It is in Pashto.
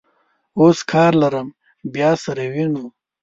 اوس کار لرم، بیا سره وینو.